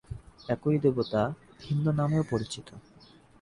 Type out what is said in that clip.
একই দেবতা ভিন্ন নামেও পরিচিত।